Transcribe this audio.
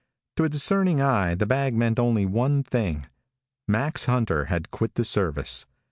To a discerning eye, that bag meant only one thing: Max Hunter had quit the service.